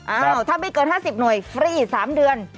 เอ้าถ้าไม่เกิน๕๐หน่วยฟรี๓เดือน